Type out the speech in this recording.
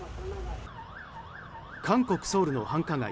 韓国ソウルの繁華街